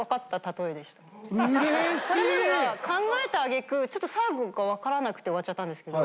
これまでは考えた揚げ句ちょっと最後がわからなくて終わっちゃったんですけど。